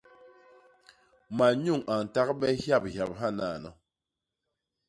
Manyuñ a ntagbe hyaphyap hanano.